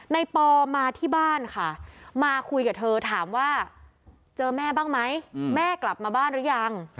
ปอมาที่บ้านค่ะมาคุยกับเธอถามว่าเจอแม่บ้างไหมแม่กลับมาบ้านหรือยัง